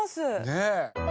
ねえ。